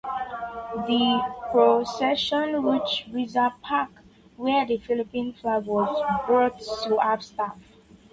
The procession reached Rizal Park, where the Philippine flag was brought to half-staff.